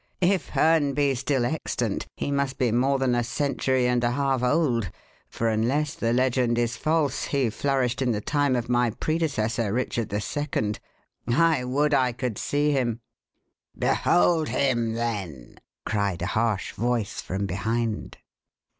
If Herne be still extant, he must be more than a century and a half old, for unless the legend is false, he flourished in the time of my predecessor, Richard the Second. I would I could see him!" "Behold him, then!" cried a harsh voice from behind.